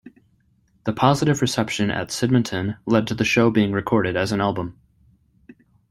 The positive reception at Sydmonton lead to the show being recorded as an album.